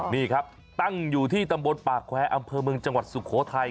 นี่ครับตั้งอยู่ที่ตำบลปากแควร์อำเภอเมืองจังหวัดสุโขทัย